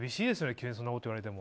急にそんなこと言われても。